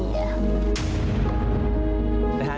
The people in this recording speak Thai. โอเคโอเคแล้วก็ค่ะ